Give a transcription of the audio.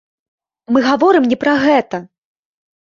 Мы гаворым не пра гэта!